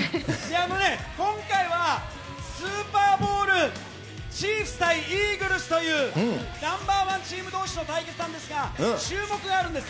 あのね、今回はスーパーボウル、チーフス対イーグルスというナンバー１チームどうしの対決なんですが、注目があるんです。